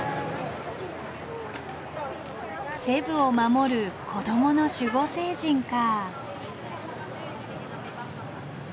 セブを守る子供の守護聖人か。